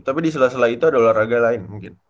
tapi di sela sela itu ada olahraga lain mungkin